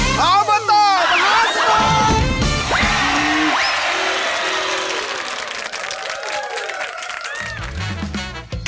พาเบอร์เตอร์มาแล้วสนุก